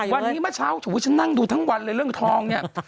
วันนี้เมื่อเช้าฉันนั่งดูทั้งวันเลยเรื่องทองเนี่ย